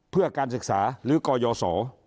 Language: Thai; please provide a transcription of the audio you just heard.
เพื่อการศึกษาหรือกยศ